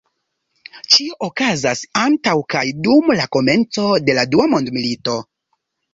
Ĉio okazas antaŭ kaj dum la komenco de la Dua Mondmilito.